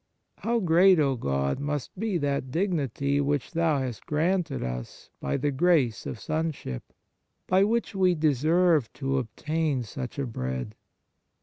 How great, God, must be that dignity which Thou hast granted us by the grace of son ship, by which we deserve to obtain such a Bread